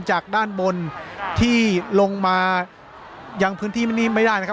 จากด้านบนที่ลงมายังพื้นที่นี้ไม่ได้นะครับ